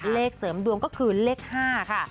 เสริมดวงก็คือเลข๕ค่ะ